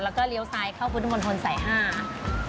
แล้วก็เลี้ยวซ้ายเข้าพืชมนธนสาย๕